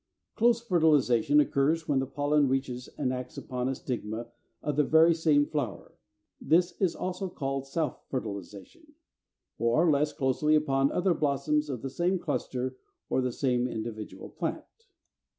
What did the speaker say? Close Fertilization occurs when the pollen reaches and acts upon a stigma of the very same flower (this is also called self fertilization), or, less closely, upon other blossoms of the same cluster or the same individual plant.